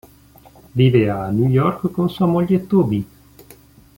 Vive a New York con sua moglie Toby.